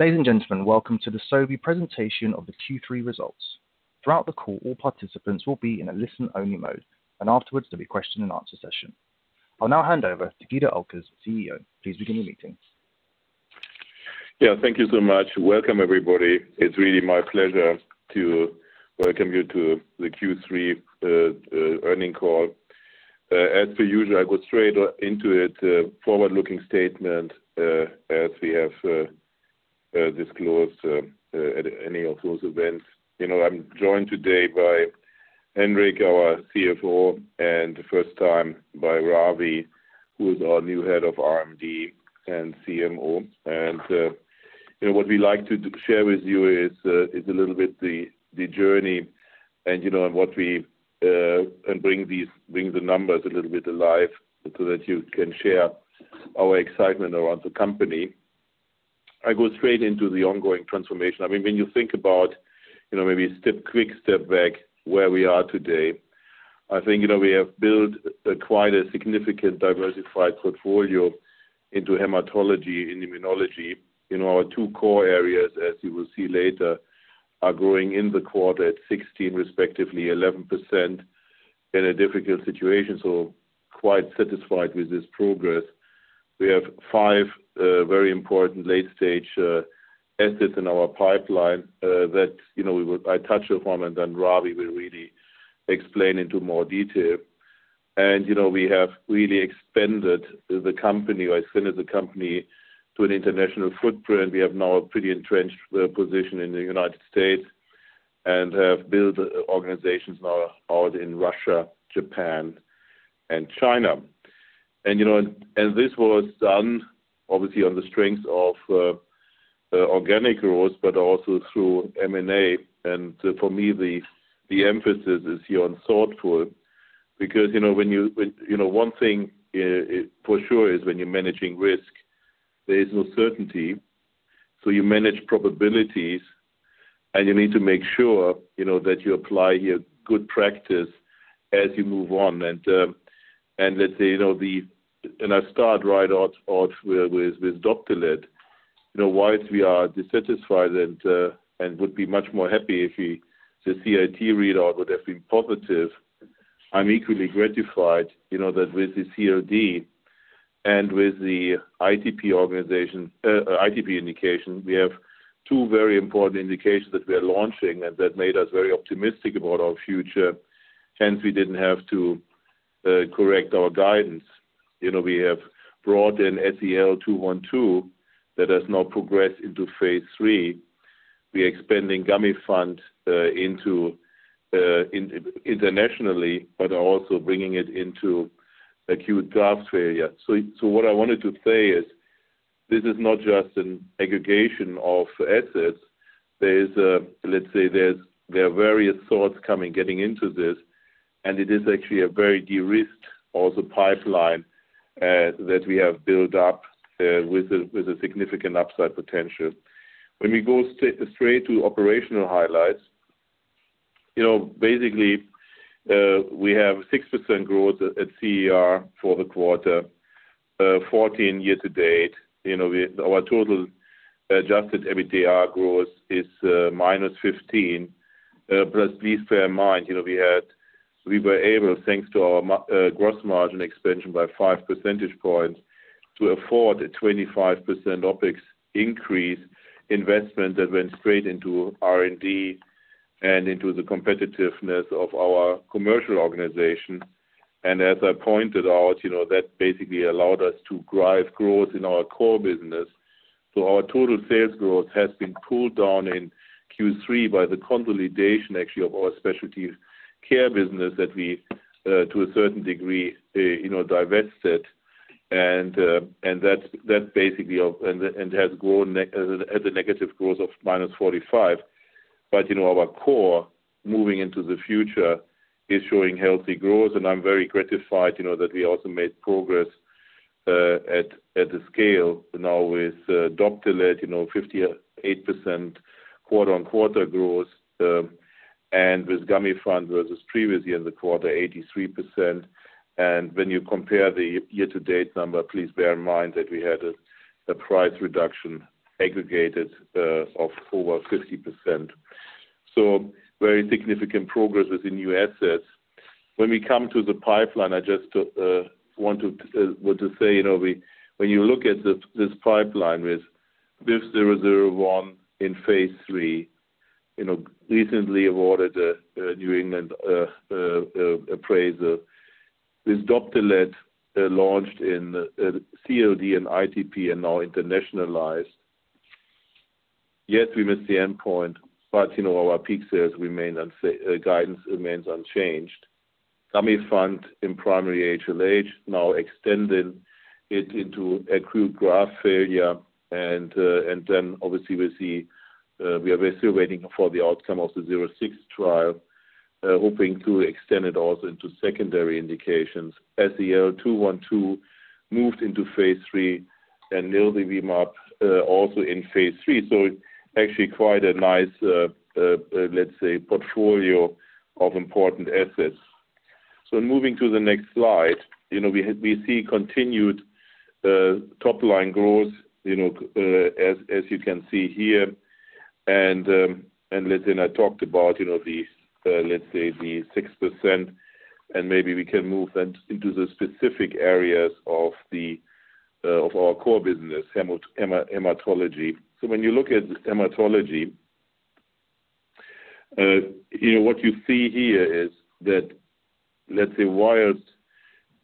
Ladies and gentlemen, welcome to the Sobi presentation of the Q3 results. Throughout the call, all participants will be in a listen-only mode, and afterwards there will be a question-and-answer session. I will now hand over to Guido Oelkers, CEO. Please begin the meeting. Yeah, thank you so much. Welcome everybody. It's really my pleasure to welcome you to the Q3 earnings call. As per usual, I go straight into it. Forward-looking statement, as we have disclosed at any of those events. I'm joined today by Henrik, our CFO, and the first time by Ravi, who is our new head of R&D and CMO. What we like to share with you is a little bit the journey and bring the numbers a little bit alive so that you can share our excitement around the company. I go straight into the ongoing transformation. When you think about maybe a quick step back where we are today, I think we have built quite a significant diversified portfolio into hematology and immunology. Our two core areas, as you will see later, are growing in the quarter at 16%, respectively 11% in a difficult situation. Quite satisfied with this progress. We have five very important late-stage assets in our pipeline that I touch upon, then Ravi will really explain into more detail. We have really expanded the company to an international footprint. We have now a pretty entrenched position in the United States and have built organizations now out in Russia, Japan, and China. This was done obviously on the strength of organic growth, but also through M&A. For me, the emphasis is here on thoughtful because one thing for sure is when you're managing risk, there is no certainty. You manage probabilities, and you need to make sure that you apply your good practice as you move on. I start right out with Doptelet. While we are dissatisfied and would be much more happy if the CIT readout would have been positive, I'm equally gratified that with the CLD and with the ITP indication, we have two very important indications that we are launching. That made us very optimistic about our future. Hence, we didn't have to correct our guidance. We have brought in SEL-212 that has now progressed into phase III. We're expanding GAMIFANT internationally, Are also bringing it into acute graft failure. What I wanted to say is, this is not just an aggregation of assets. Let's say there are various thoughts coming, getting into this, It is actually a very de-risked also pipeline that we have built up with a significant upside potential. We go straight to operational highlights. Basically, we have 6% growth at CER for the quarter, 14% year-to-date. Please bear in mind, we were able, thanks to our gross margin expansion by five percentage points, to afford a 25% OpEx increase investment that went straight into R&D and into the competitiveness of our commercial organization. As I pointed out, that basically allowed us to drive growth in our core business. Our total sales growth has been pulled down in Q3 by the consolidation, actually, of our specialty care business that we, to a certain degree, divested. Has a negative growth of -45%. Our core moving into the future is showing healthy growth. I'm very gratified that we also made progress at the scale now with Doptelet, 58% quarter-on-quarter growth. With GAMIFANT versus previously in the quarter, 83%. When you compare the year-to-date number, please bear in mind that we had a price reduction aggregated of over 50%. Very significant progress with the new assets. We come to the pipeline, I just want to say, when you look at this pipeline with BIVV001 in phase III, recently awarded a New England Journal paper. With Doptelet launched in CLD and ITP and now internationalized. Yes, we missed the endpoint, but our peak sales guidance remains unchanged. Gamifant in primary HLH now extended it into acute graft failure. Obviously we are still waiting for the outcome of the 006 trial, hoping to extend it also into secondary indications. SEL-212 moved into phase III and nirsevimab also in phase III. Actually quite a nice, let's say, portfolio of important assets. Moving to the next slide, we see continued top-line growth as you can see here. Let's say I talked about the 6%, and maybe we can move then into the specific areas of our core business, hematology. When you look at hematology, what you see here is that, let's say while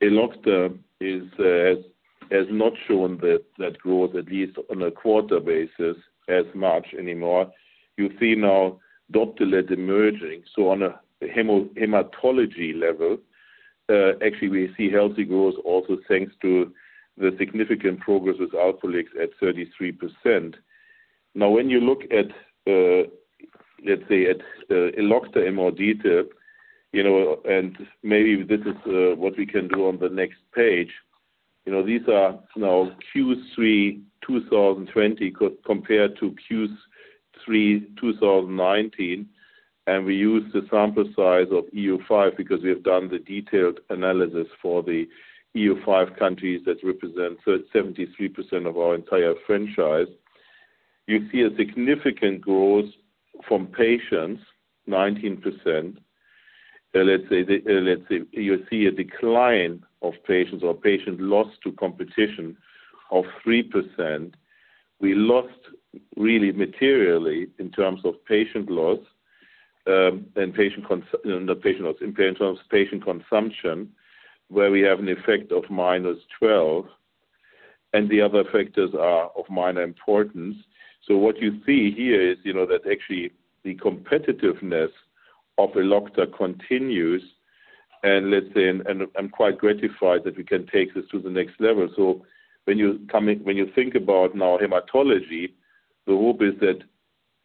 Elocta has not shown that growth, at least on a quarter basis, as much anymore. You see now Doptelet emerging. On a hematology level, actually we see healthy growth also thanks to the significant progress with Alprolix at 33%. When you look at, let's say at Elocta in more detail, and maybe this is what we can do on the next page. These are now Q3 2020 compared to Q3 2019, and we use the sample size of EU5 because we have done the detailed analysis for the EU5 countries that represent 73% of our entire franchise. You see a significant growth from patients, 19%. Let's say you see a decline of patients or patient loss to competition of 3%. We lost really materially in terms of patient loss and patient consumption, where we have an effect of -12, and the other factors are of minor importance. What you see here is that actually the competitiveness of Elocta continues, and I'm quite gratified that we can take this to the next level. When you think about now hematology, the hope is that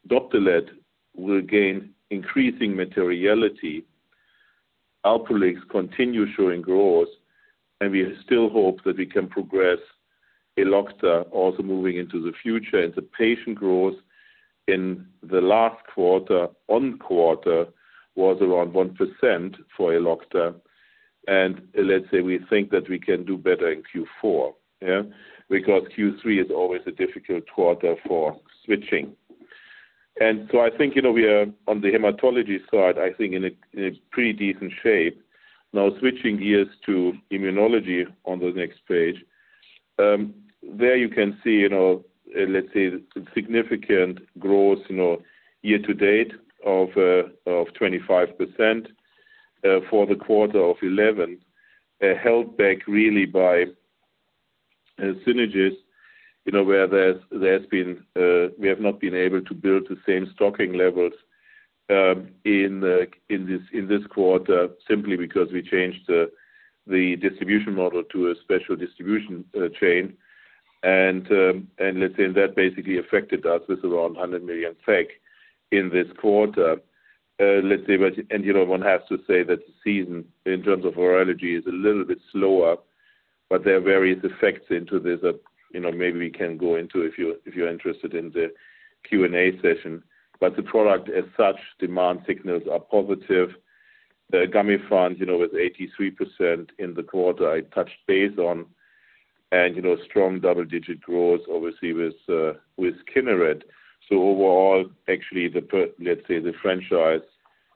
Doptelet will gain increasing materiality. Alprolix continue showing growth, and we still hope that we can progress Elocta also moving into the future. The patient growth in the last quarter, on quarter, was around 1% for Elocta, and we think that we can do better in Q4. Yeah. Because Q3 is always a difficult quarter for switching. I think we are, on the hematology side, in a pretty decent shape. Switching gears to immunology on the next page. There you can see significant growth year-to-date of 25% for the quarter of 11%, held back really by SYNAGIS, where we have not been able to build the same stocking levels in this quarter simply because we changed the distribution model to a special distribution chain. That basically affected us with around 100 million SEK in this quarter. One has to say that the season, in terms of virology, is a little bit slower, but there are various effects into this that maybe we can go into if you're interested in the Q&A session. The product as such, demand signals are positive. The GAMIFANT with 83% in the quarter I touched base on. Strong double-digit growth obviously with KINERET. Overall, actually the franchise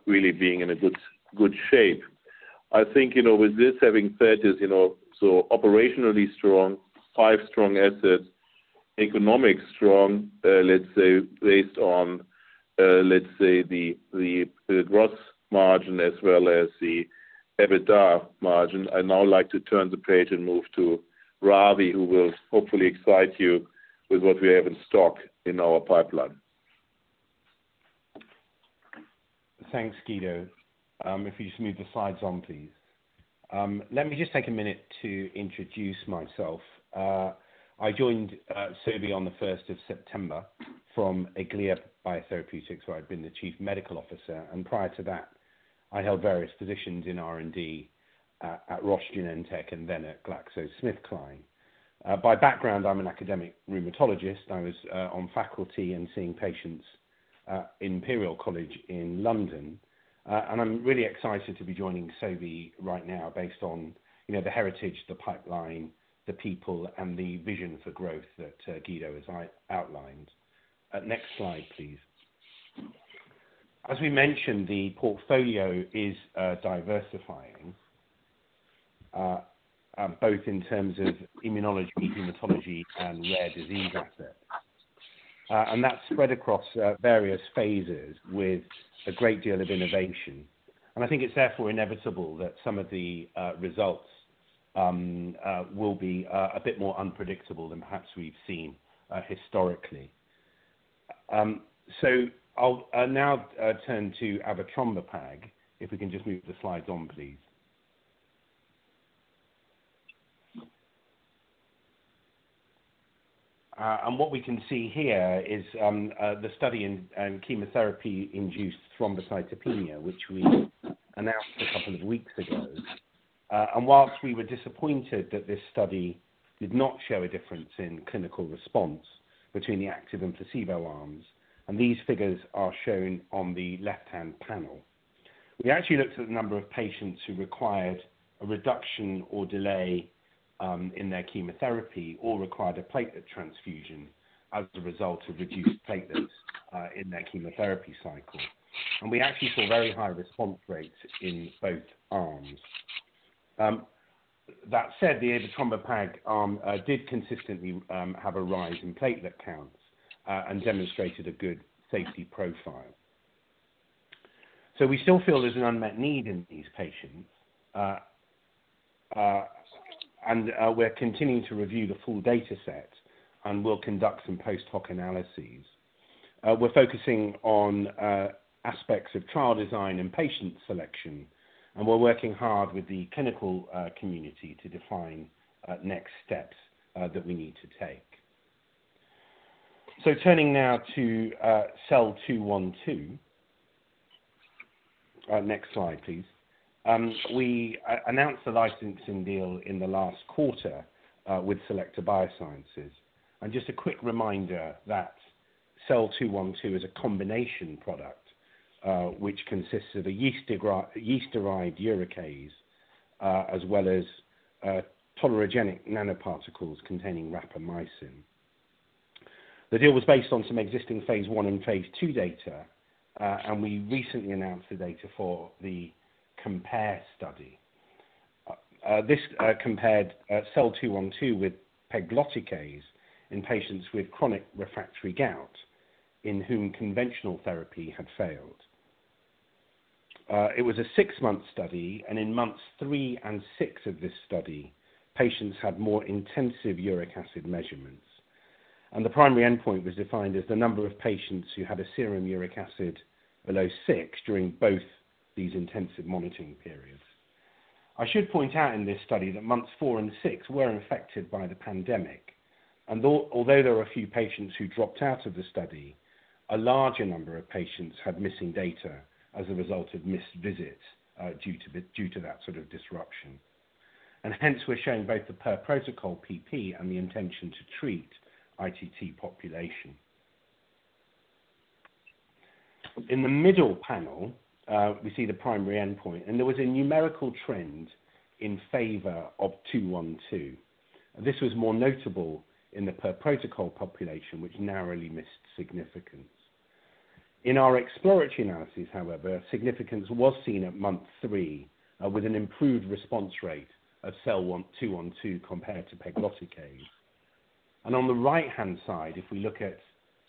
really being in a good shape. I think with this having said this, operationally strong, five strong assets, economic strong, let's say based on the gross margin as well as the EBITDA margin. I'd now like to turn the page and move to Ravi, who will hopefully excite you with what we have in stock in our pipeline. Thanks, Guido. If you just move the slides on, please. Let me just take a minute to introduce myself. I joined Sobi on the first of September from Aeglea BioTherapeutics, where I've been the chief medical officer. Prior to that, I held various positions in R&D at Roche Genentech and then at GlaxoSmithKline. By background, I'm an academic rheumatologist. I was on faculty and seeing patients at Imperial College in London. I'm really excited to be joining Sobi right now based on the heritage, the pipeline, the people, and the vision for growth that Guido has outlined. Next slide, please. As we mentioned, the portfolio is diversifying both in terms of immunology, hematology, and rare disease assets. That's spread across various phases with a great deal of innovation. I think it's therefore inevitable that some of the results will be a bit more unpredictable than perhaps we've seen historically. I'll now turn to avatrombopag. If we can just move the slides on, please. What we can see here is the study in chemotherapy-induced thrombocytopenia, which we announced a couple of weeks ago. Whilst we were disappointed that this study did not show a difference in clinical response between the active and placebo arms, and these figures are shown on the left-hand panel, we actually looked at the number of patients who required a reduction or delay in their chemotherapy or required a platelet transfusion as a result of reduced platelets in their chemotherapy cycle. We actually saw very high response rates in both arms. That said, the avatrombopag arm did consistently have a rise in platelet counts and demonstrated a good safety profile. We still feel there's an unmet need in these patients, and we're continuing to review the full data set and will conduct some post-hoc analyses. We're focusing on aspects of trial design and patient selection, and we're working hard with the clinical community to define next steps that we need to take. Turning now to SEL-212. Next slide, please. We announced the licensing deal in the last quarter with Selecta Biosciences. Just a quick reminder that SEL-212 is a combination product, which consists of a yeast-derived uricase, as well as tolerogenic nanoparticles containing rapamycin. The deal was based on some existing phase I and phase II data, and we recently announced the data for the COMPARE study. This compared SEL-212 with pegloticase in patients with chronic refractory gout in whom conventional therapy had failed. It was a six-month study, in months three and six of this study, patients had more intensive uric acid measurements. The primary endpoint was defined as the number of patients who had a serum uric acid below six during both these intensive monitoring periods. I should point out in this study that months four and six were affected by the pandemic, although there were a few patients who dropped out of the study, a larger number of patients had missing data as a result of missed visits due to that sort of disruption. Hence, we're showing both the per-protocol, PP, and the intention to treat, ITT, population. In the middle panel, we see the primary endpoint, there was a numerical trend in favor of SEL-212. This was more notable in the per-protocol population, which narrowly missed significance. In our exploratory analysis, however, significance was seen at month three with an improved response rate of SEL-212 compared to pegloticase. On the right-hand side, if we look at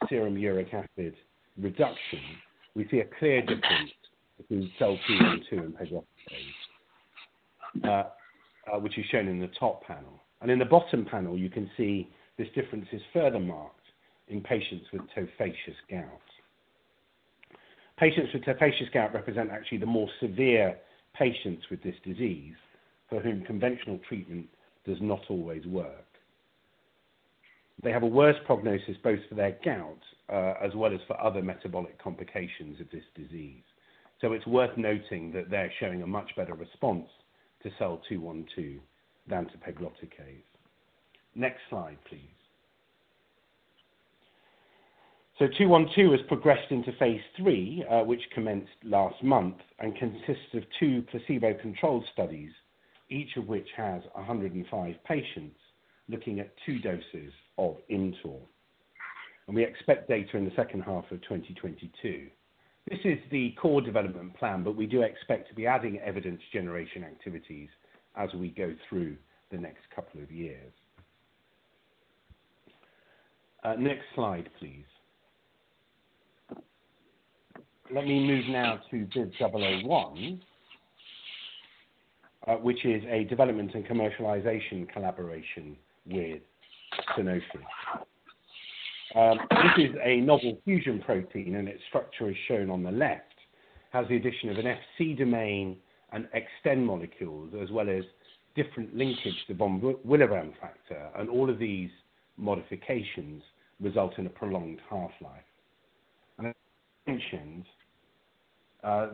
serum uric acid reduction, we see a clear difference between SEL-212 and pegloticase, which is shown in the top panel. In the bottom panel, you can see this difference is further marked in patients with tophaceous gout. Patients with tophaceous gout represent actually the more severe patients with this disease for whom conventional treatment does not always work. They have a worse prognosis, both for their gout as well as for other metabolic complications of this disease. It's worth noting that they're showing a much better response to SEL-212 than to pegloticase. Next slide, please. SEL-212 has progressed into phase III, which commenced last month and consists of two placebo-controlled studies, each of which has 105 patients looking at two doses of ImmTOR. We expect data in the second half of 2022. This is the core development plan, but we do expect to be adding evidence generation activities as we go through the next couple of years. Next slide, please. Let me move now to BIVV001, which is a development and commercialization collaboration with Sanofi. This is a novel fusion protein, and its structure is shown on the left. It has the addition of an Fc domain and XTEN molecules, as well as different linkage to von Willebrand factor, and all of these modifications result in a prolonged half-life. As mentioned,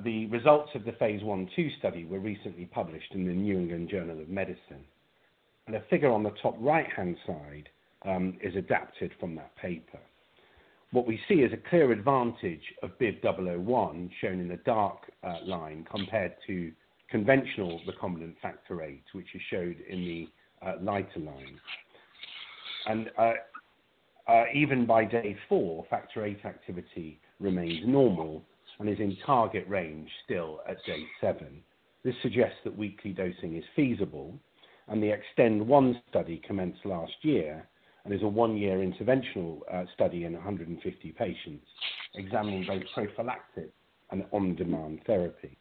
the results of the phase I/II study were recently published in the New England Journal of Medicine, and a figure on the top right-hand side is adapted from that paper. What we see is a clear advantage of BIVV001, shown in the dark line, compared to conventional recombinant factor VIII, which is showed in the lighter line. Even by day four, factor VIII activity remains normal and is in target range still at day seven. This suggests that weekly dosing is feasible, and the XTEND-1 study commenced last year and is a one-year interventional study in 150 patients examining both prophylactic and on-demand therapy.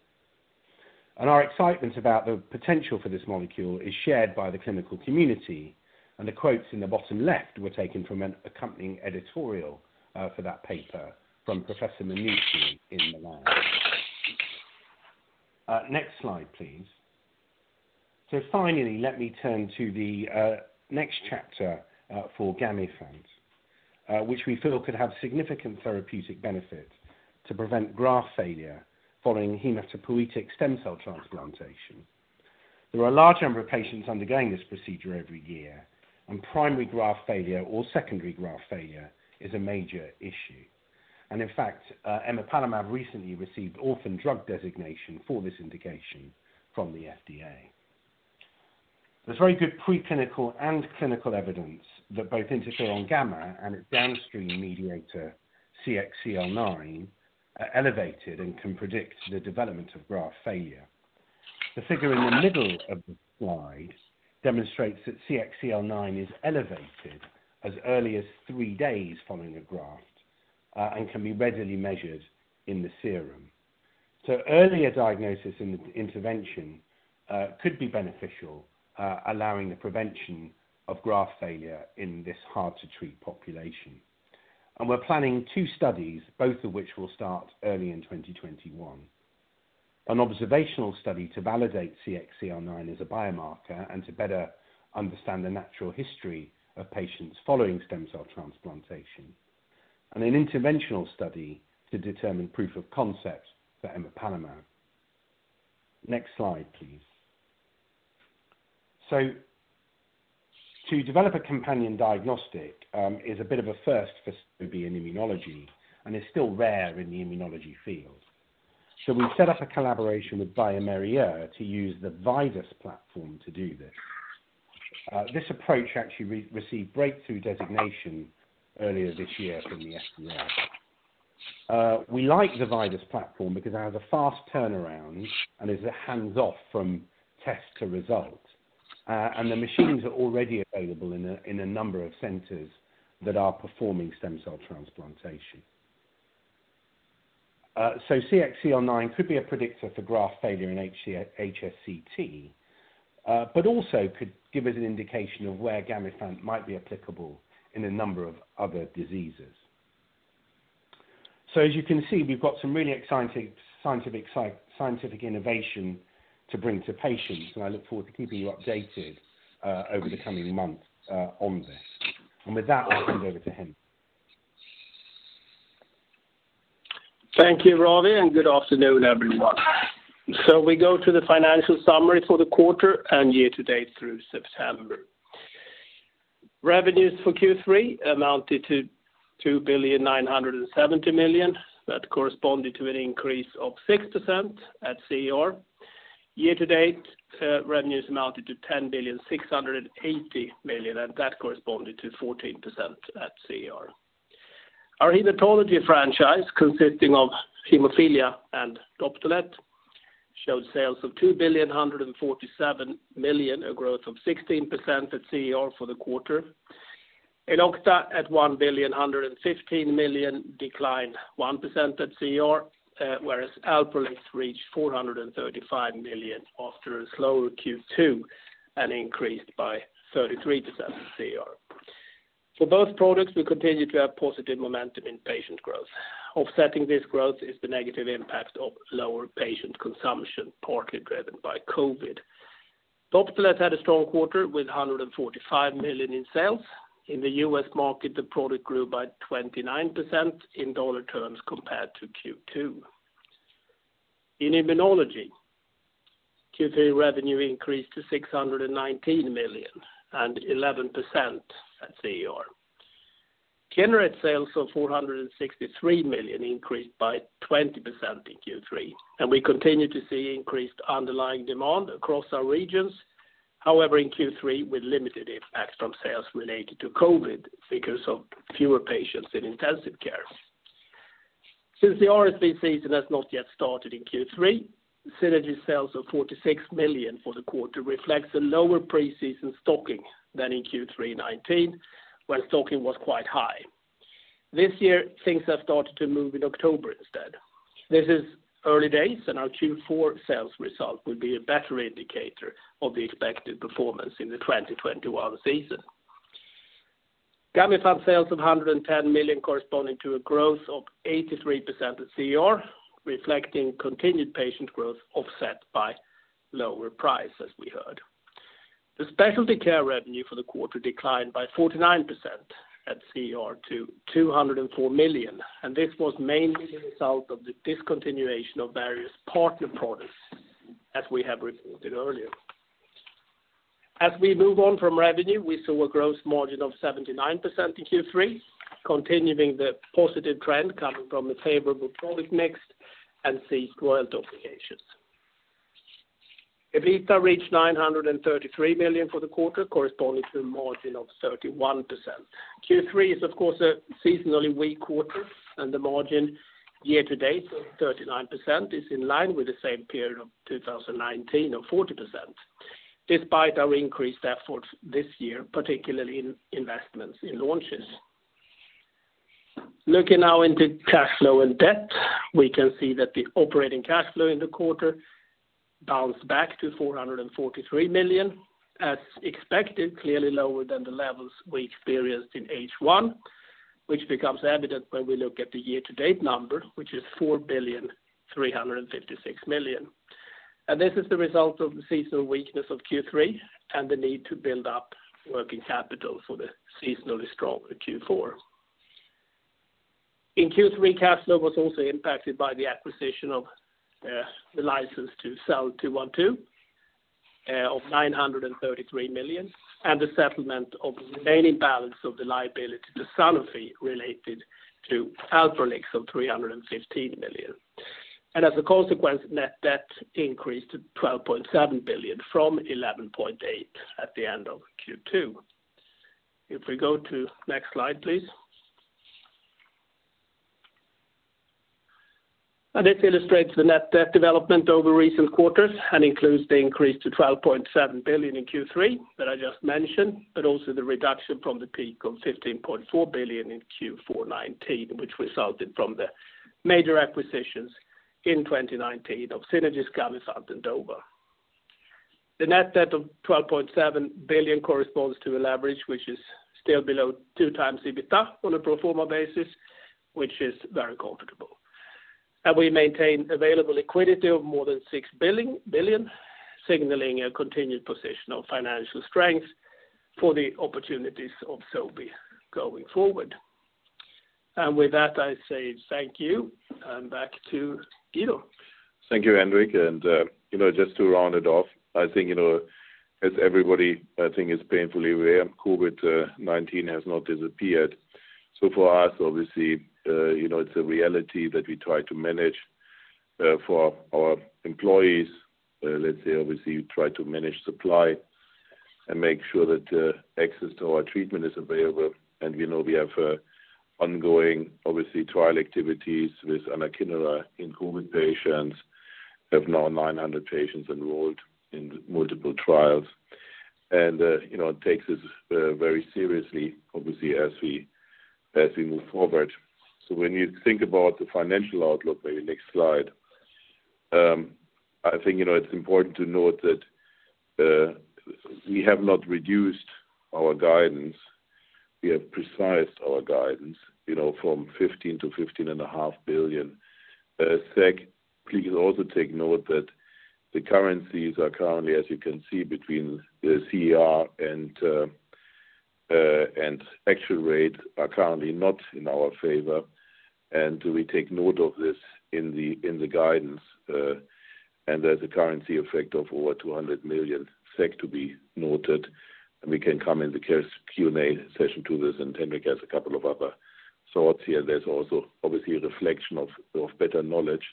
Our excitement about the potential for this molecule is shared by the clinical community, and the quotes in the bottom left were taken from an accompanying editorial for that paper from Professor Mannucci in Milan. Next slide, please. Finally, let me turn to the next chapter for GAMIFANT. Which we feel could have significant therapeutic benefit to prevent graft failure following hematopoietic stem cell transplantation. There are a large number of patients undergoing this procedure every year, and primary graft failure or secondary graft failure is a major issue. In fact, emapalumab recently received orphan drug designation for this indication from the FDA. There's very good preclinical and clinical evidence that both interferon gamma and its downstream mediator, CXCL9, are elevated and can predict the development of graft failure. The figure in the middle of the slide demonstrates that CXCL9 is elevated as early as three days following a graft, and can be readily measured in the serum. Earlier diagnosis in the intervention could be beneficial, allowing the prevention of graft failure in this hard-to-treat population. We're planning two studies, both of which will start early in 2021. An observational study to validate CXCL9 as a biomarker and to better understand the natural history of patients following stem cell transplantation, and an interventional study to determine proof of concept for emapalumab. Next slide, please. To develop a companion diagnostic, is a bit of a first for Sobi and immunology and is still rare in the immunology field. We've set up a collaboration with bioMérieux to use the VIDAS platform to do this. This approach actually received breakthrough designation earlier this year from the FDA. We like the VIDAS platform because it has a fast turnaround and is hands-off from test to result. The machines are already available in a number of centers that are performing stem cell transplantation. CXCL9 could be a predictor for graft failure in HSCT, but also could give us an indication of where GAMIFANT might be applicable in a number of other diseases. As you can see, we've got some really exciting scientific innovation to bring to patients, and I look forward to keeping you updated over the coming months on this. With that, I'll hand over to Henrik. Thank you, Ravi, and good afternoon, everyone. We go to the financial summary for the quarter and year-to-date through September. Revenues for Q3 amounted to 2,970,000,000. That corresponded to an increase of 6% at CER. year-to-date, revenues amounted to 10.68 billion, and that corresponded to 14% at CER. Our hematology franchise, consisting of hemophilia and Doptelet, showed sales of 2.147 billion, a growth of 16% at CER for the quarter. Elocta at 1.115 billion, decline 1% at CER, whereas Alprolix reached 435 million after a slower Q2 and increased by 33% at CER. For both products, we continue to have positive momentum in patient growth. Offsetting this growth is the negative impact of lower patient consumption, partly driven by COVID. Doptelet had a strong quarter with 145 million in sales. In the U.S. market, the product grew by 29% in USD terms compared to Q2. In immunology, Q3 revenue increased to 619 million and 11% at CER. KINERET sales of 463 million increased by 20% in Q3, and we continue to see increased underlying demand across our regions. However, in Q3, we limited impacts from sales related to COVID because of fewer patients in intensive care. Since the RSV season has not yet started in Q3, SYNAGIS sales of 46 million for the quarter reflects a lower pre-season stocking than in Q3 2019, when stocking was quite high. This year, things have started to move in October instead. This is early days, and our Q4 sales result will be a better indicator of the expected performance in the 2021 season. GAMIFANT sales of 110 million corresponding to a growth of 83% at CER, reflecting continued patient growth offset by lower price, as we heard. The specialty care revenue for the quarter declined by 49% at CER to 204 million, this was mainly the result of the discontinuation of various partner products, as we have reported earlier. As we move on from revenue, we saw a gross margin of 79% in Q3, continuing the positive trend coming from a favorable product mix and ceased royalty obligations. EBITDA reached 933 million for the quarter, corresponding to a margin of 31%. Q3 is, of course, a seasonally weak quarter, the margin year-to-date of 39% is in line with the same period of 2019 of 40%, despite our increased efforts this year, particularly in investments in launches. Looking now into cash flow and debt, we can see that the operating cash flow in the quarter bounced back to 443 million, as expected, clearly lower than the levels we experienced in H1, which becomes evident when we look at the year-to-date number, which is 4.356 billion. This is the result of the seasonal weakness of Q3 and the need to build up working capital for the seasonally stronger Q4. In Q3, cash flow was also impacted by the acquisition of the license to SEL-212 of 933 million and the settlement of the remaining balance of the liability to Sanofi related to Alprolix of 315 million. As a consequence, net debt increased to 12.7 billion from 11.8 billion at the end of Q2. If we go to next slide, please. This illustrates the net debt development over recent quarters and includes the increase to 12.7 billion in Q3 that I just mentioned, but also the reduction from the peak of 15.4 billion in Q4 2019, which resulted from the major acquisitions in 2019 of SYNAGIS, GAMIFANT, and Doptelet. The net debt of 12.7 billion corresponds to a leverage which is still below two times EBITDA on a pro forma basis, which is very comfortable. We maintain available liquidity of more than 6 billion, signaling a continued position of financial strength for the opportunities of Sobi going forward. With that, I say thank you, and back to Guido. Thank you, Henrik. Just to round it off, I think, as everybody I think is painfully aware, COVID-19 has not disappeared. For us, obviously, it's a reality that we try to manage for our employees, let's say obviously, try to manage supply and make sure that access to our treatment is available. We know we have ongoing, obviously, trial activities with anakinra in COVID patients, have now 900 patients enrolled in multiple trials. It takes us very seriously, obviously, as we move forward. When you think about the financial outlook, maybe next slide, I think it's important to note that we have not reduced our guidance. We have precised our guidance from 15 billion-15.5 billion. Please also take note that the currencies are currently, as you can see, between CER and actual rate are currently not in our favor. We take note of this in the guidance. There's a currency effect of over 200 million SEK to be noted. We can come in the Q&A session to this, and Henrik has a couple of other thoughts here. There's also obviously a reflection of better knowledge.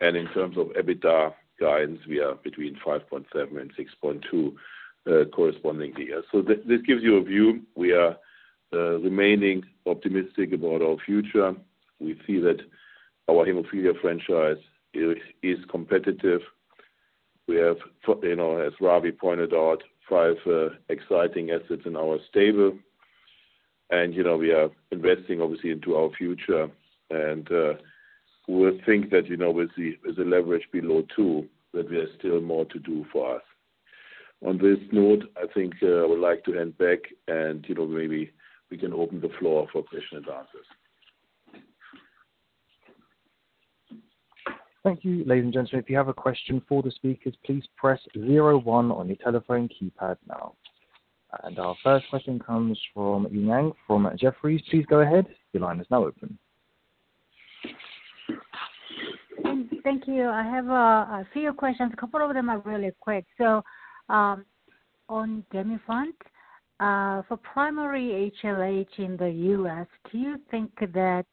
In terms of EBITDA guidance, we are between 5.7 and 6.2 correspondingly. This gives you a view. We are remaining optimistic about our future. We feel that our hemophilia franchise is competitive. We have, as Ravi pointed out, five exciting assets in our stable, and we are investing obviously into our future, and we think that with the leverage below two, that there's still more to do for us. On this note, I think I would like to hand back, and maybe we can open the floor for question and answers. Thank you, ladies and gentlemen. If you have a question for the speakers, please press 01 on your telephone keypad now. Our first question comes from Eun from Jefferies. Please go ahead. Your line is now open. Thank you. I have a few questions. A couple of them are really quick. On GAMIFANT, for primary HLH in the U.S., do you think that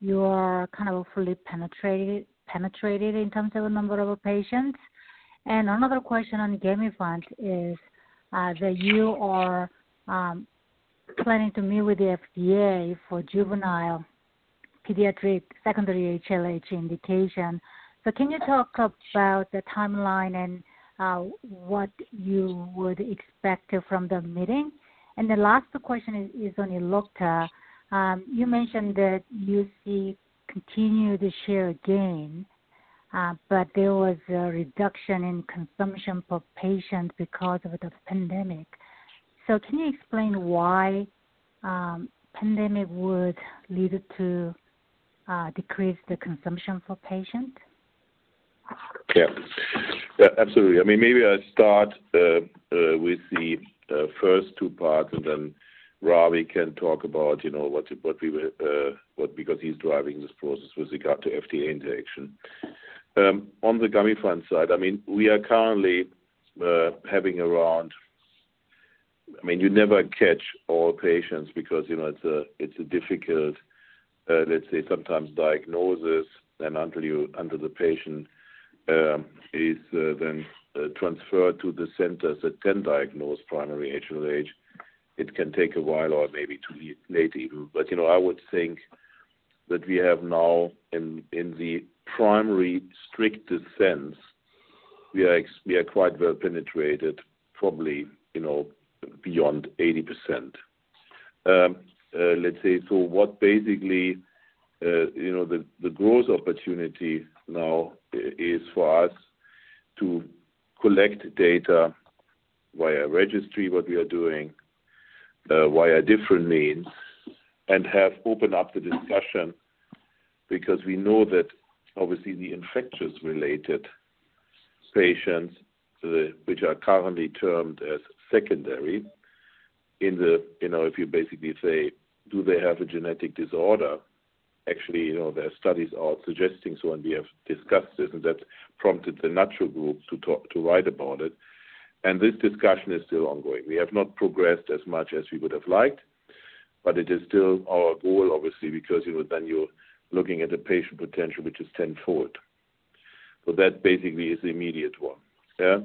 you are kind of fully penetrated in terms of the number of patients? Another question on GAMIFANT is that you are planning to meet with the FDA for juvenile pediatric secondary HLH indication. Can you talk about the timeline and what you would expect from the meeting? The last question is on Elocta. You mentioned that you see continued share gain, but there was a reduction in consumption for patients because of the pandemic. Can you explain why pandemic would lead to decrease the consumption for patients? Yeah. Absolutely. Maybe I start with the first two parts, and then Ravi can talk about what, because he's driving this process with regard to FDA interaction. On the GAMIFANT side, we are currently having around You never catch all patients because it's a difficult, let's say, sometimes diagnosis. Until the patient is then transferred to the centers that can diagnose primary HLH, it can take a while or maybe too late, even. I would think that we have now in the primary strictest sense, we are quite well penetrated, probably beyond 80%. What basically, the growth opportunity now is for us to collect data via registry, what we are doing via different means and have opened up the discussion because we know that obviously the infectious-related patients, which are currently termed as secondary in the If you basically say, "Do they have a genetic disorder?" Actually, there are studies suggesting so and we have discussed this and that prompted the natural group to write about it and this discussion is still ongoing. We have not progressed as much as we would have liked, but it is still our goal obviously because then you're looking at the patient potential which is tenfold. That basically is the immediate one. Yeah.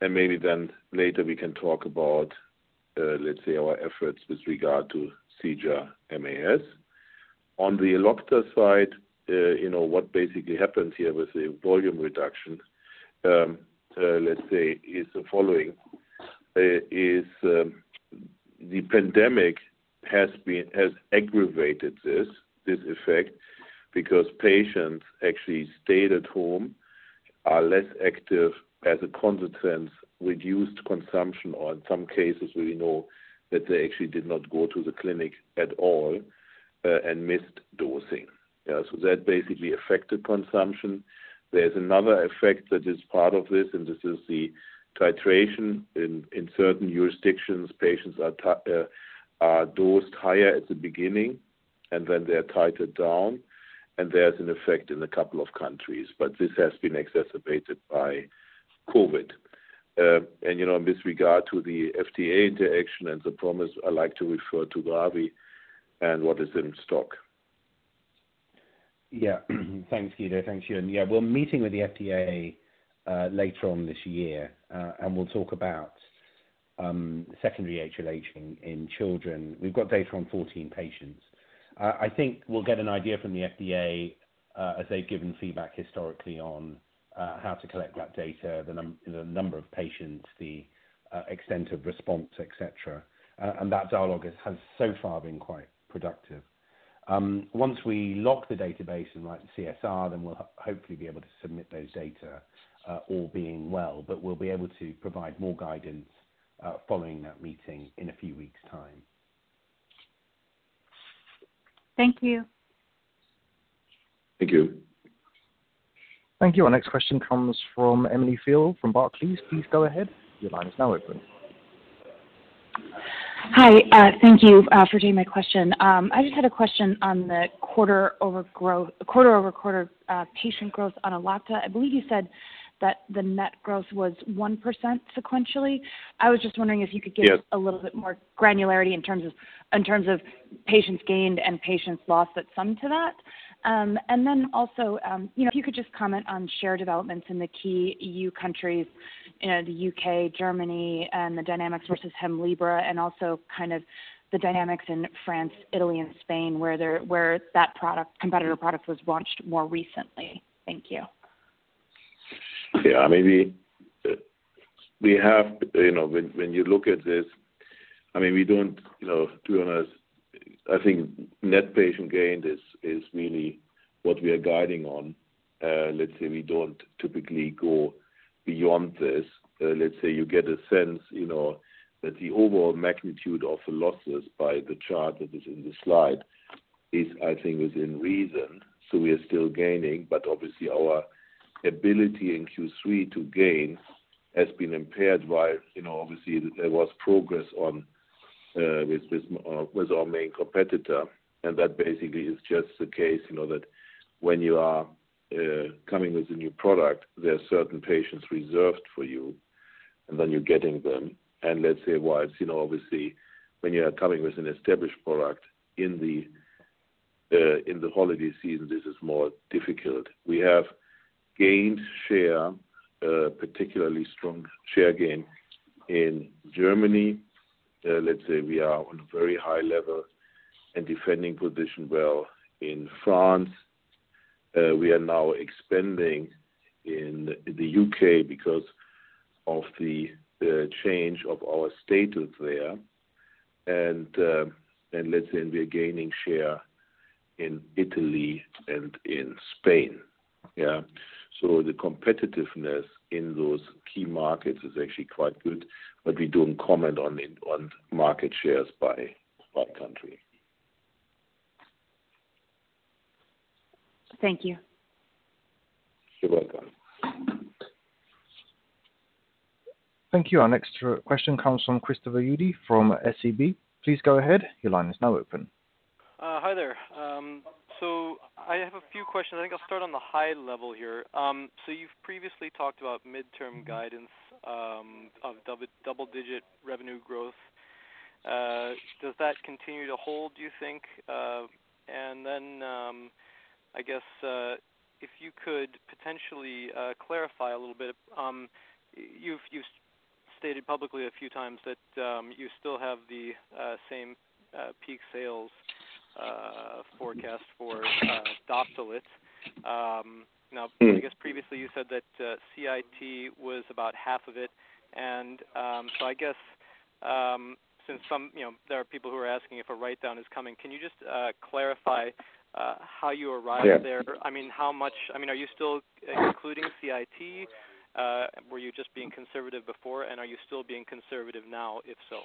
Maybe then later we can talk about, let's say our efforts with regard to sJIA MAS. On the Elocta side, what basically happens here with the volume reduction, let's say is the following. The pandemic has aggravated this effect because patients actually stayed at home, are less active, as a consequence, reduced consumption or in some cases we know that they actually did not go to the clinic at all, and missed dosing. That basically affected consumption. There is another effect that is part of this and this is the titration in certain jurisdictions, patients are dosed higher at the beginning and then they are titrate down and there is an effect in a couple of countries but this has been exacerbated by COVID. In this regard to the FDA interaction and the promise, I would like to refer to Ravi and what is in stock. Yeah. Thanks, Guido. Thanks, Eun. Yeah, we're meeting with the FDA later on this year. We'll talk about secondary HLH in children. We've got data on 14 patients. I think we'll get an idea from the FDA as they've given feedback historically on how to collect that data, the number of patients, the extent of response, et cetera. That dialogue has so far been quite productive. Once we lock the database and write the CSR, then we'll hopefully be able to submit those data, all being well. We'll be able to provide more guidance following that meeting in a few weeks' time. Thank you. Thank you. Thank you. Our next question comes from Emily Field from Barclays. Please go ahead. Your line is now open. Hi. Thank you for taking my question. I just had a question on the quarter-over-quarter patient growth on Elocta. I believe you said that the net growth was 1% sequentially. I was just wondering if you could a little bit more granularity in terms of patients gained and patients lost that sum to that. Also, if you could just comment on share developments in the key EU countries, the U.K., Germany, and the dynamics versus Hemlibra and also the dynamics in France, Italy and Spain where that competitor product was launched more recently. Thank you. When you look at this, I think net patient gain is mainly what we are guiding on. Let's say we don't typically go beyond this. Let's say you get a sense that the overall magnitude of losses by the chart that is in the slide is I think is within reason. We are still gaining but obviously our ability in Q3 to gain has been impaired while obviously there was progress with our main competitor and that basically is just the case that when you are coming with a new product there are certain patients reserved for you and then you're getting them and let's say while obviously when you are coming with an established product in the holiday season this is more difficult. We have gained share, particularly strong share gain in Germany. Let's say we are on a very high level and defending position well in France. We are now expanding in the U.K. because of the change of our status there and let's say we are gaining share in Italy and in Spain. Yeah. The competitiveness in those key markets is actually quite good, but we don't comment on market shares by country. Thank you. You're welcome. Thank you. Our next question comes from Christopher Uhde from SEB. Please go ahead. Your line is now open. Hi there. I have a few questions. I think I'll start on the high level here. You've previously talked about midterm guidance, of double-digit revenue growth. Does that continue to hold, do you think? I guess, if you could potentially clarify a little bit. You've stated publicly a few times that you still have the same peak sales forecast for Doptelet. I guess previously you said that CIT was about half of it. Since there are people who are asking if a write-down is coming, can you just clarify how you arrived there? Are you still including CIT? Were you just being conservative before, and are you still being conservative now, if so?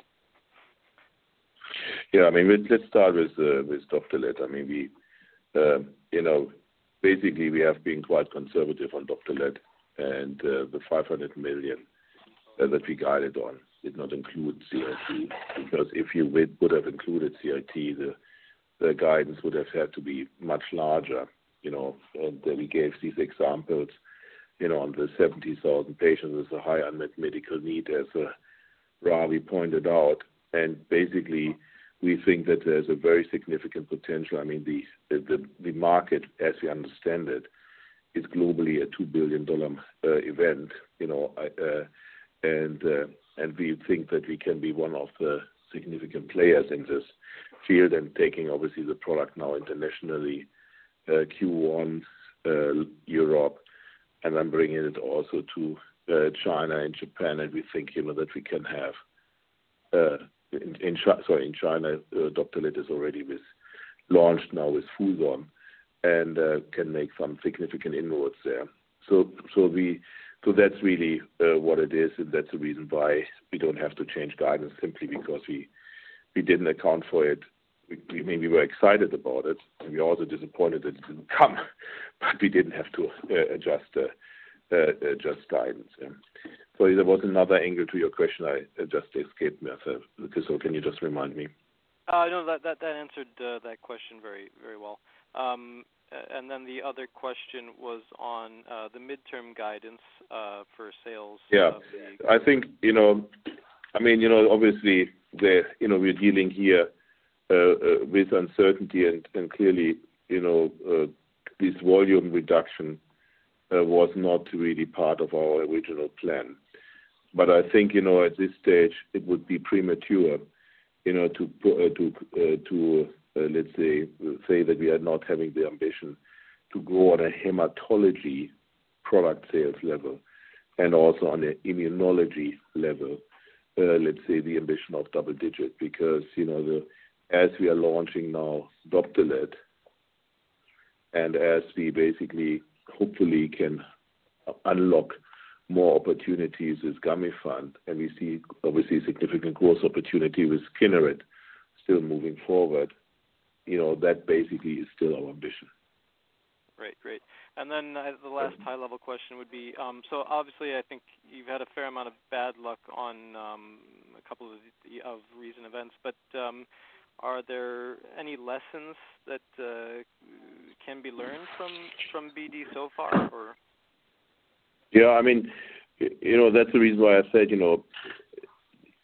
Let's start with Doptelet. Basically, we have been quite conservative on Doptelet. The 500 million that we guided on did not include CIT. If we would have included CIT, the guidance would have had to be much larger. We gave these examples on the 70,000 patients with a high unmet medical need, as Ravi pointed out. Basically, we think that there's a very significant potential. The market, as we understand it, is globally a $2 billion event. We think that we can be one of the significant players in this field and taking, obviously, the product now internationally, Q1 Europe, then bringing it also to China and Japan. We think that we can have Sorry, in China, Doptelet is already launched now with Fosun, and can make some significant inroads there. That's really what it is, and that's the reason why we don't have to change guidance simply because we didn't account for it. We were excited about it, and we are also disappointed that it didn't come, but we didn't have to adjust the guidance. Sorry, there was another angle to your question that just escaped me. Can you just remind me? No, that answered that question very well. The other question was on the midterm guidance for sales. Yeah. Obviously, we're dealing here with uncertainty. Clearly, this volume reduction was not really part of our original plan. I think, at this stage, it would be premature to say that we are not having the ambition to grow at a hematology product sales level and also on an immunology level, let's say, the ambition of double digit. As we are launching now DOPTELET and as we basically, hopefully, can unlock more opportunities with GAMIFANT, and we see, obviously, significant growth opportunity with KINERET still moving forward, that basically is still our ambition. Great. The last high-level question would be, obviously, I think you've had a fair amount of bad luck on a couple of recent events. Are there any lessons that can be learned from BD so far? Yeah. That's the reason why I said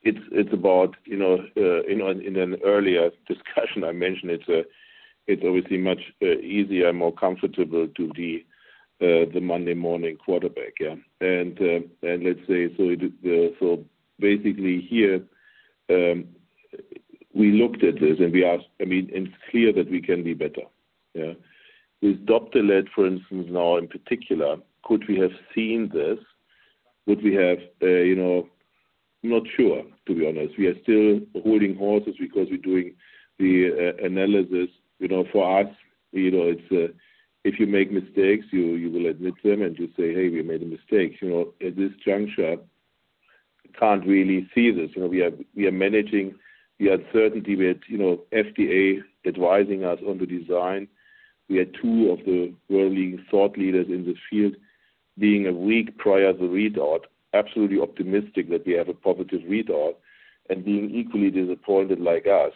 it's about, in an earlier discussion I mentioned it's obviously much easier and more comfortable to be the Monday morning quarterback. Basically here, we looked at this and it's clear that we can be better. With Doptelet, for instance, now in particular, could we have seen this? Could we have? Not sure, to be honest. We are still holding horses because we're doing the analysis. For us, if you make mistakes, you will admit them and you say, "Hey, we made a mistake." At this juncture, we can't really see this. We are managing the uncertainty with FDA advising us on the design. We had two of the world-leading thought leaders in the field being a week prior the read out, absolutely optimistic that we have a positive read out and being equally disappointed like us.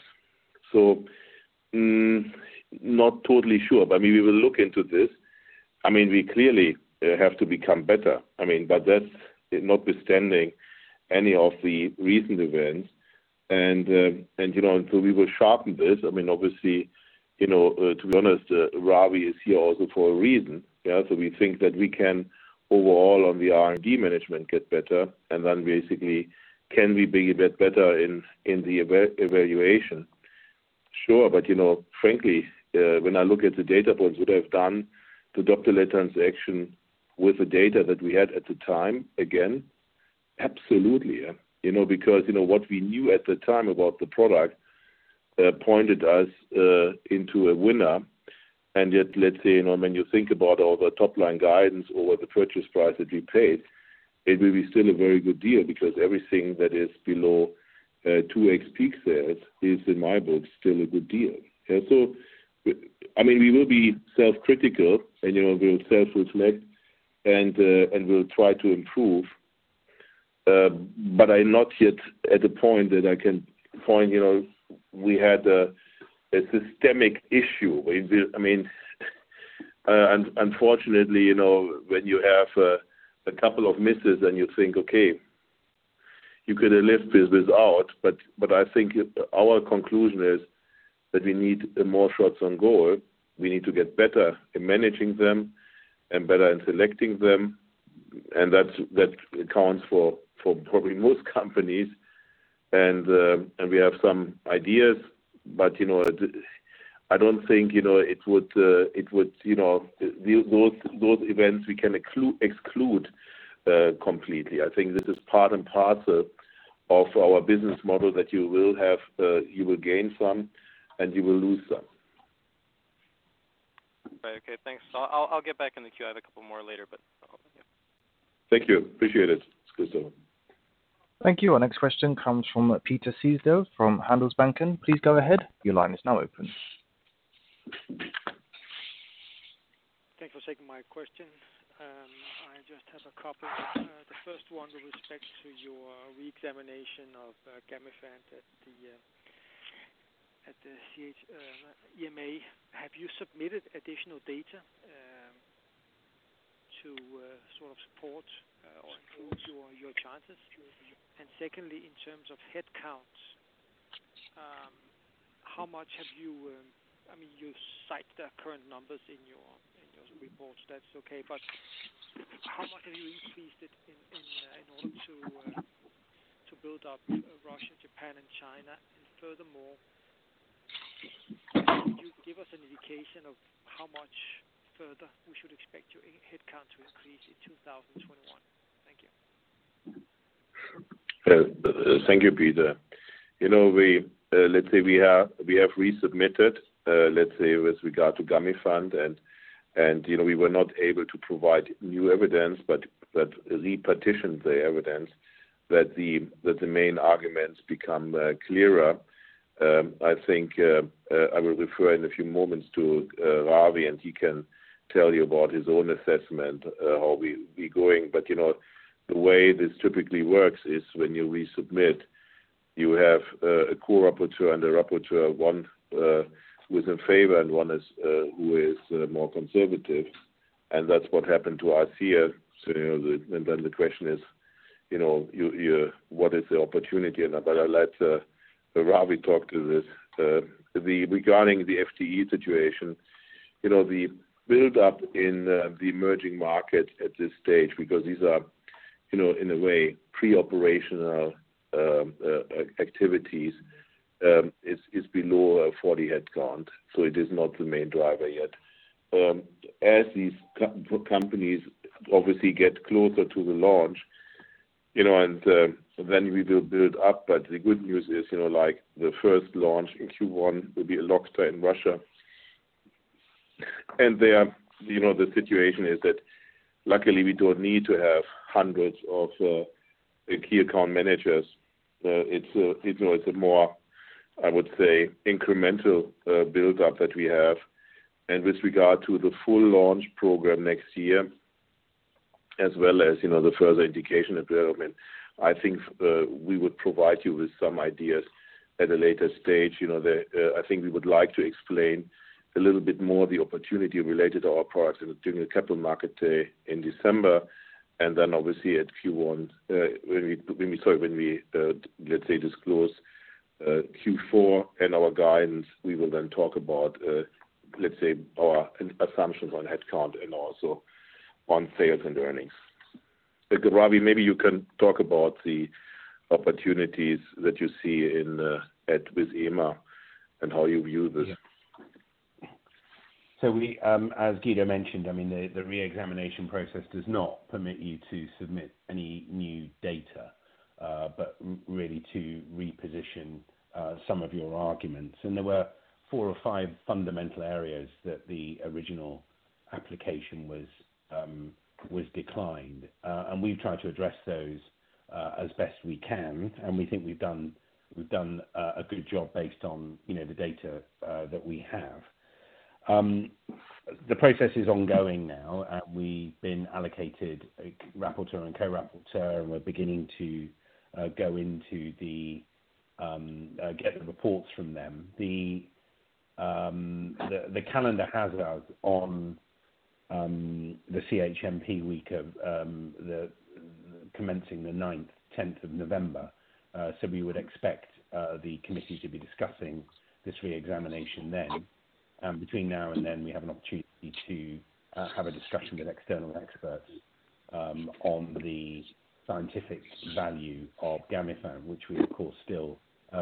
Not totally sure, but we will look into this. We clearly have to become better, but that's notwithstanding any of the recent events. We will sharpen this. Obviously, to be honest, Ravi is here also for a reason. We think that we can, overall on the R&D management, get better, and then basically can we be a bit better in the evaluation? Sure. Frankly, when I look at the data points, would I have done the Doptelet transaction with the data that we had at the time, again? Absolutely. Because what we knew at the time about the product pointed us into a winner. Yet, let's say, when you think about all the top-line guidance or the purchase price that we paid, it will be still a very good deal because everything that is below 2x peak sales is, in my book, still a good deal. We will be self-critical, and we'll self-reflect, and we'll try to improve. I'm not yet at the point that I can find we had a systemic issue. Unfortunately, when you have a couple of misses and you think, "Okay, you could have left this out." I think our conclusion is that we need more shots on goal. We need to get better in managing them and better in selecting them, and that counts for probably most companies. We have some ideas, but I don't think those events we can exclude completely. I think this is part and parcel of our business model that you will gain some, and you will lose some. Right. Okay, thanks. I'll get back in the queue. I have a couple more later, but yeah. Thank you. Appreciate it. Thank you. Our next question comes from Peter Sehested from Handelsbanken. Please go ahead. Your line is now open. Thanks for taking my question. I just have a couple. The first one with respect to your re-examination of GAMIFANT at the EMA. Have you submitted additional data to sort of support or improve your chances? Secondly, in terms of headcounts, you cite the current numbers in your reports. That's okay, how much have you increased it in order to build up Russia, Japan and China? Furthermore, could you give us an indication of how much further we should expect your headcount to increase in 2021? Thank you. Thank you, Peter. Let's say we have resubmitted with regard to Gamifant, and we were not able to provide new evidence, but re-petitioned the evidence that the main arguments become clearer. I think I will refer in a few moments to Ravi, and he can tell you about his own assessment, how we're going. The way this typically works is when you resubmit, you have a core rapporteur and a rapporteur, one who is in favor and one who is more conservative, and that's what happened to us here. The question is, what is the opportunity? I better let Ravi talk to this. Regarding the FTE situation, the build-up in the emerging market at this stage, because these are, in a way, pre-operational activities, is below 40 headcount. It is not the main driver yet. As these companies obviously get closer to the launch, then we will build up. The good news is the first launch in Q1 will be Elocta in Russia. The situation is that luckily, we don't need to have hundreds of key account managers. It's a more, I would say, incremental build-up that we have. With regard to the full launch program next year, as well as the further indication development, I think we would provide you with some ideas at a later stage. I think we would like to explain a little bit more the opportunity related to our products during the capital market day in December. Then obviously at Q1 when we, let's say, disclose Q4 and our guidance, we will then talk about our assumptions on headcount and also on sales and earnings. Ravi, maybe you can talk about the opportunities that you see with EMA and how you view this. As Guido mentioned, the re-examination process does not permit you to submit any new data, but really to reposition some of your arguments. There were four or five fundamental areas that the original application was declined. We've tried to address those as best we can, and we think we've done a good job based on the data that we have. The process is ongoing now, and we've been allocated a rapporteur and co-rapporteur, and we're beginning to get the reports from them. The calendar has us on the CHMP week commencing the 9th, 10th of November. We would expect the committee to be discussing this re-examination then. Between now and then, we have an opportunity to have a discussion with external experts on the scientific value of GAMIFANT, which we, of course, still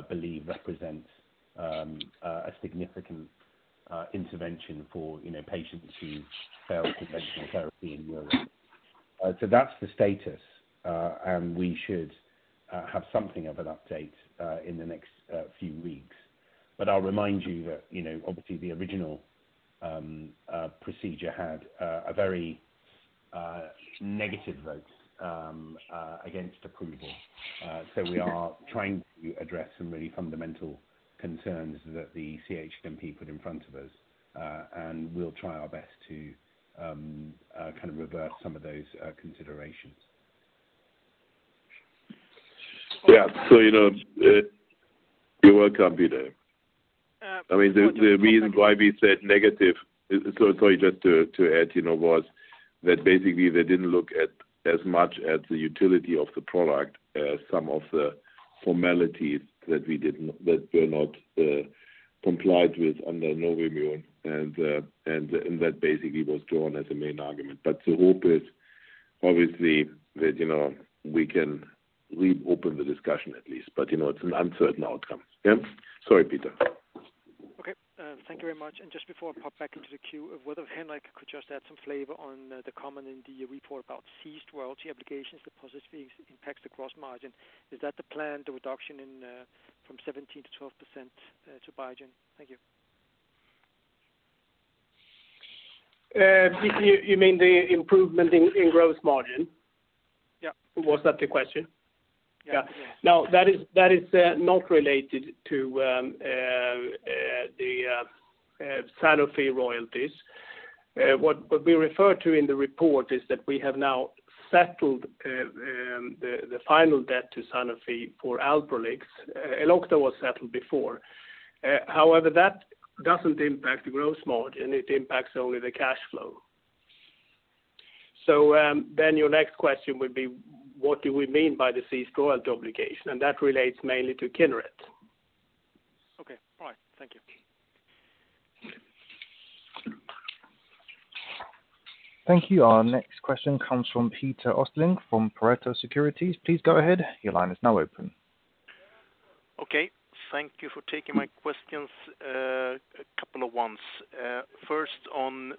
believe represents a significant intervention for patients who fail conventional therapy in Europe. That's the status. We should have something of an update in the next few weeks. I'll remind you that obviously the original procedure had a very negative vote against approval. We are trying to address some really fundamental concerns that the CHMP put in front of us. We'll try our best to kind of reverse some of those considerations. Yeah. You're welcome, Peter. The reason why we said negative, sorry, just to add, was that basically they didn't look as much at the utility of the product, some of the formalities that were not complied with under Novimmune, and that basically was drawn as a main argument. The hope is obviously that we can reopen the discussion at least, but it's an uncertain outcome. Sorry, Peter. Okay. Thank you very much. Just before I pop back into the queue, whether Henrik could just add some flavor on the comment in the report about ceased royalty obligations, the positive impacts the gross margin. Is that the plan, the reduction from 17%-12% to Biogen? Thank you. You mean the improvement in gross margin? Yeah. Was that the question? Yeah. Now that is not related to the Sanofi royalties. What we refer to in the report is that we have now settled the final debt to Sanofi for Alprolix. Elocta was settled before. However, that doesn't impact the gross margin. It impacts only the cash flow. Your next question would be, what do we mean by the ceased royalty obligation? That relates mainly to KINERET. Okay. All right. Thank you. Thank you. Our next question comes from Peter Östling from Pareto Securities. Please go ahead. Your line is now open. Okay. Thank you for taking my questions, a couple of ones. First on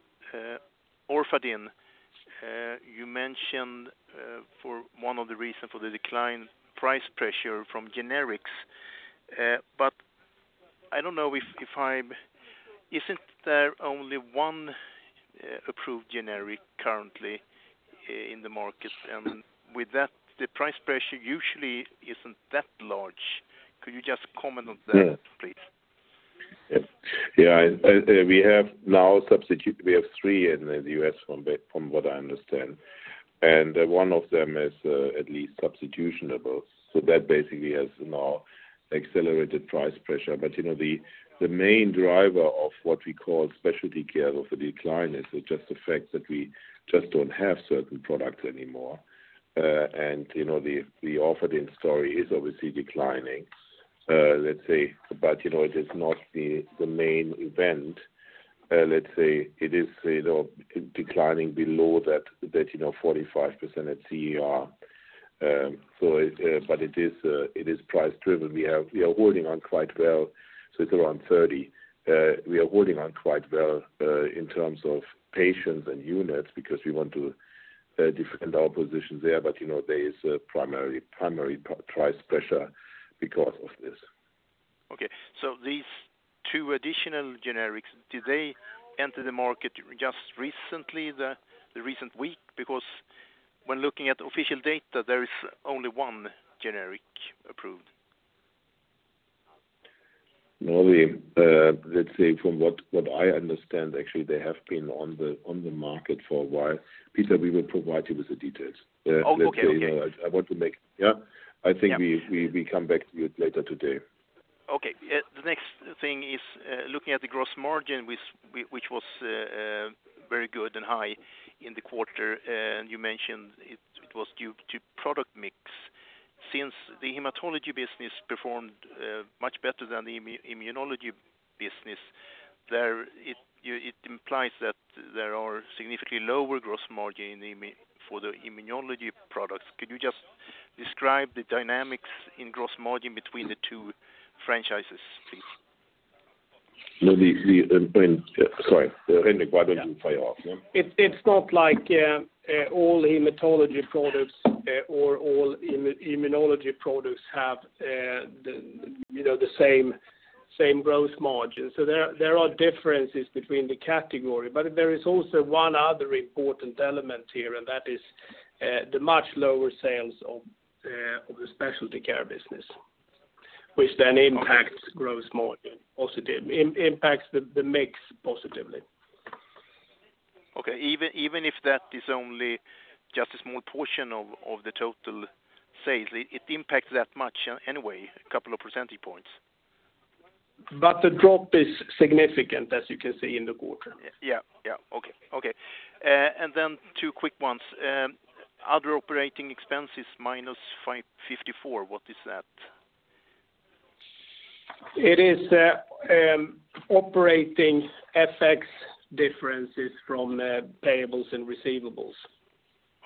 Orfadin, you mentioned for one of the reason for the decline price pressure from generics. I don't know if I, isn't there only one approved generic currently in the market? With that, the price pressure usually isn't that large. Could you just comment on that, please? We have now substitutes, we have three in the U.S. from what I understand, and one of them is at least substitutable. That basically has now accelerated price pressure. The main driver of what we call specialty care or for decline is just the fact that we just don't have certain products anymore. The Orfadin story is obviously declining. Let's say, but it is not the main event. Let's say it is declining below that 45% at CER. It is price-driven. We are holding on quite well. It's around 30. We are holding on quite well in terms of patients and units, because we want to defend our positions there. There is primary price pressure because of this. Okay. These two additional generics, did they enter the market just recently, the recent week? When looking at official data, there is only one generic approved. Let's say from what I understand, actually, they have been on the market for a while. Peter, we will provide you with the details. Okay. Yeah, I think we come back to you later today. Okay. The next thing is looking at the gross margin, which was very good and high in the quarter. You mentioned it was due to product mix. Since the hematology business performed much better than the immunology business there, it implies that there are significantly lower gross margin for the immunology products. Could you just describe the dynamics in gross margin between the two franchises, please? Sorry. Henrik, why don't you fire off? Yeah. It's not like all hematology products or all immunology products have the same gross margin. There are differences between the category. There is also one other important element here, and that is the much lower sales of the specialty care business, which then impacts gross margin positively, impacts the mix positively. Okay. Even if that is only just a small portion of the total sales, it impacts that much anyway, a couple of percentage points. The drop is significant, as you can see in the quarter. Yeah. Okay. Two quick ones. Other operating expenses, -54. What is that? It is operating FX differences from payables and receivables.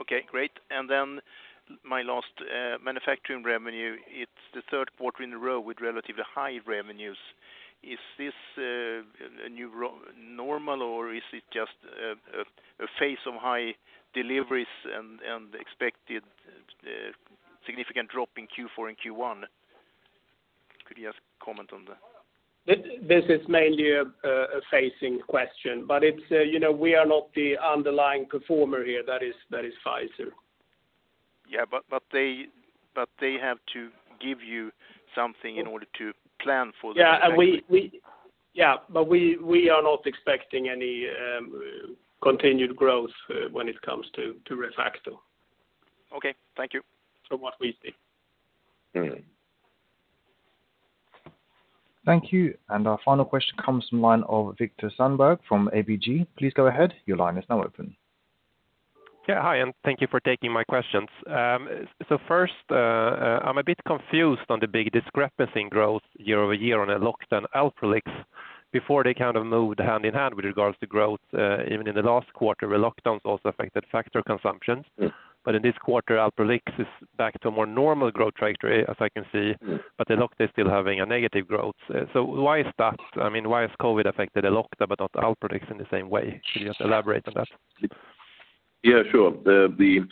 Okay, great. Then my last, manufacturing revenue. It's the third quarter in a row with relatively high revenues. Is this a new normal or is it just a phase of high deliveries and expected significant drop in Q4 and Q1? Could you just comment on that? This is mainly a phasing question, but we are not the underlying performer here. That is Pfizer. Yeah, they have to give you something in order to plan for. Yeah. We are not expecting any continued growth when it comes to ReFacto. Okay. Thank you. From what we see. Thank you. Our final question comes from line of Viktor Sundberg from ABG. Please go ahead. Your line is now open. Yeah. Hi, and thank you for taking my questions. First, I'm a bit confused on the big discrepancy in growth year-over-year on Elocta and Alprolix. Before they moved hand-in-hand with regards to growth. Even in the last quarter, where lockdowns also affected factor consumption. In this quarter, Alprolix is back to a more normal growth trajectory, as I can see. Yeah. Elocta is still having a negative growth. Why is that? Why has COVID affected Elocta but not Alprolix in the same way? Could you elaborate on that? Yeah, sure. The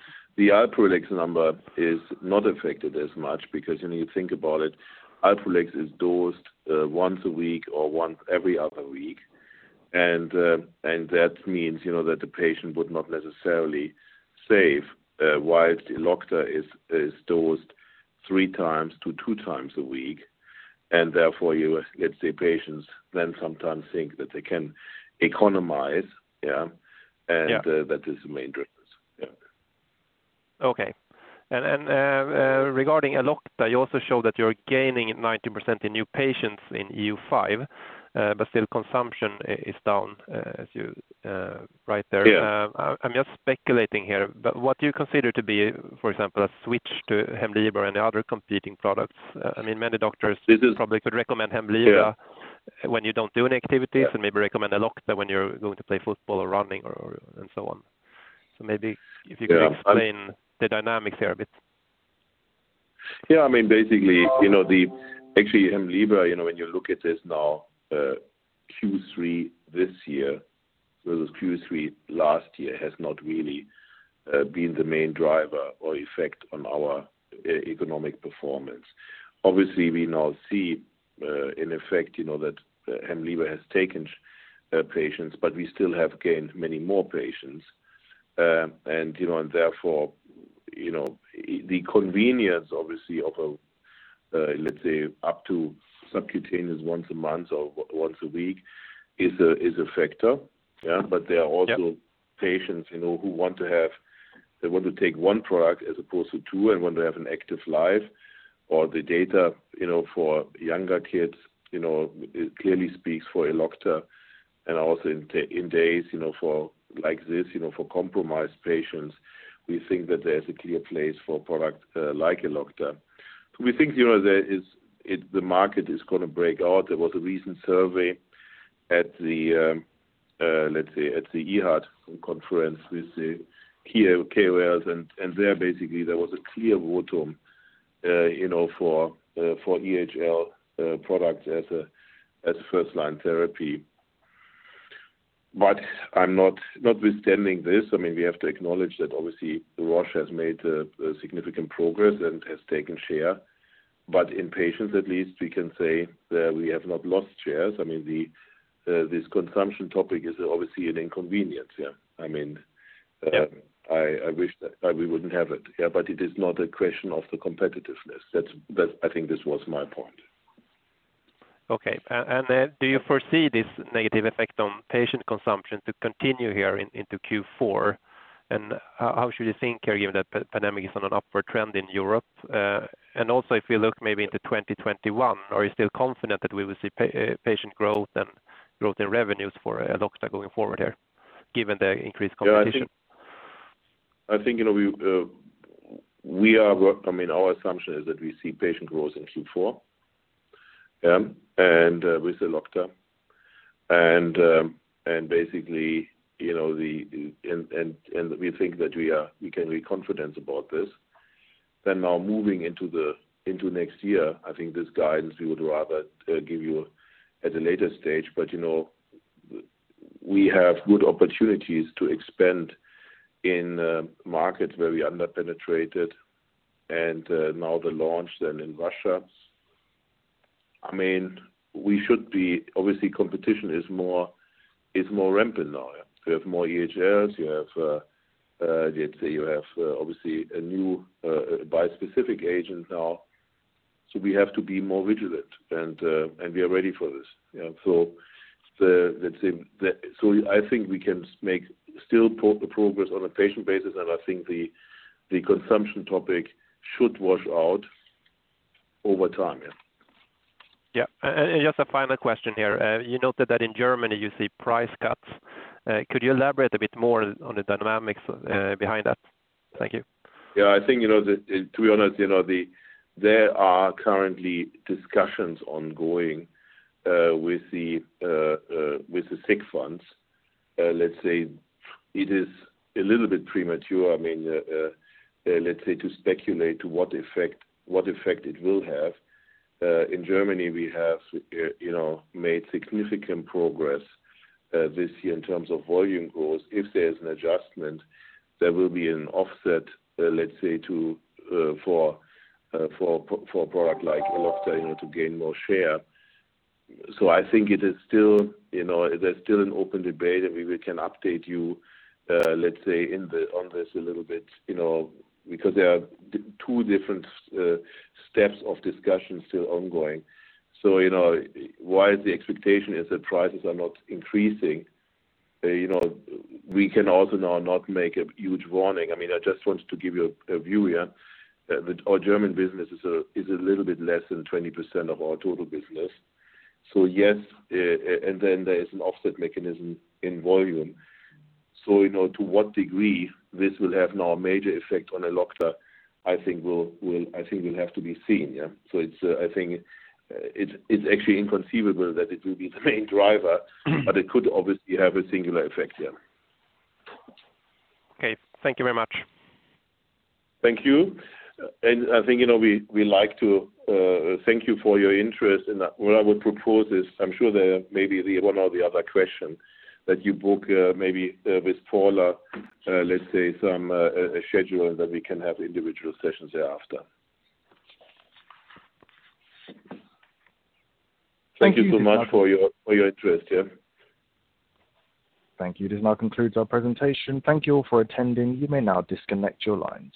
Alprolix number is not affected as much because when you think about it, Alprolix is dosed once a week or every other week. That means that the patient would not necessarily save, whilst Elocta is dosed three times to two times a week, and therefore, let's say patients then sometimes think that they can economize. Yeah. Yeah. That is the main difference. Yeah. Okay. Regarding Elocta, you also showed that you're gaining 90% in new patients in EU5, but still consumption is down as you write there. Yeah. I'm just speculating here, but what do you consider to be, for example, a switch to Hemlibra and the other competing products? Many doctors probably could recommend Hemlibra. Yeah when you don't do any activities. Yeah Maybe recommend Elocta when you're going to play football or running or so on. Maybe if you could explain the dynamics here a bit. Yeah. Actually Hemlibra, when you look at this now, Q3 this year versus Q3 last year, has not really been the main driver or effect on our economic performance. Obviously, we now see an effect, that Hemlibra has taken patients, we still have gained many more patients. The convenience, obviously, of, let's say, up to subcutaneous once a month or once a week is a factor. Yeah. Yeah. There are also patients who want to take one product as opposed to two and want to have an active life. The data for younger kids, it clearly speaks for Elocta. Also in days like this, for compromised patients, we think that there's a clear place for a product like Elocta. We think the market is going to break out. There was a recent survey at the EHA conference with the KOLs, and there, basically, there was a clear vote for EHL products as a first-line therapy. Notwithstanding this, we have to acknowledge that obviously Roche has made significant progress and has taken share. In patients, at least, we can say that we have not lost shares. This consumption topic is obviously an inconvenience. Yeah. I wish that we wouldn't have it. Yeah, it is not a question of the competitiveness. I think this was my point. Okay. Do you foresee this negative effect on patient consumption to continue here into Q4? How should you think here, given that pandemic is on an upward trend in Europe? Also, if we look maybe into 2021. Are you still confident that we will see patient growth and growth in revenues for Elocta going forward here, given the increased competition? Yeah. I think our assumption is that we see patient growth in Q4 with the Elocta. We think that we can be confident about this. Now moving into next year, I think this guidance, we would rather give you at a later stage. We have good opportunities to expand in markets where we're under-penetrated, and now the launch then in Russia. Obviously, competition is more rampant now. You have more EHLs. You have, let's say, obviously a new bispecific agent now. We have to be more vigilant, and we are ready for this. Yeah. I think we can make still progress on a patient basis, and I think the consumption topic should wash out over time, yeah. Yeah. Just a final question here. You noted that in Germany you see price cuts. Could you elaborate a bit more on the dynamics behind that? Thank you. Yeah. I think to be honest, there are currently discussions ongoing with the sick funds. Let's say it is a little bit premature, let's say, to speculate to what effect it will have. In Germany, we have made significant progress this year in terms of volume growth. If there's an adjustment, there will be an offset, let's say, for a product like Elocta to gain more share. I think there's still an open debate, and maybe we can update you on this a little bit because there are two different steps of discussions still ongoing. Whilst the expectation is that prices are not increasing, we can also now not make a huge warning. I just wanted to give you a view here that our German business is a little bit less than 20% of our total business. Yes, there is an offset mechanism in volume. To what degree this will have now a major effect on Elocta, I think will have to be seen, yeah. I think it's actually inconceivable that it will be the main driver. It could obviously have a singular effect, yeah. Okay. Thank you very much. Thank you. I think we like to thank you for your interest, what I would propose is, I am sure there may be the one or the other question that you book maybe with Paula, let us say some schedule that we can have individual sessions thereafter. Thank you. Thank you so much for your interest. Yeah. Thank you. This now concludes our presentation. Thank you all for attending. You may now disconnect your lines.